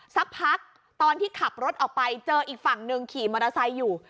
สักพักตอนที่ขับรถออกไปเจออีกฝั่งหนึ่งขี่มอเตอร์ไซค์อยู่